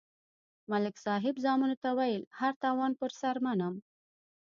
ملک صاحب زامنو ته ویل: هر تاوان پر سر منم.